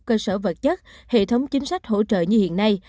cơ sở vật chất hệ thống chính sách hỗ trợ như hiện nay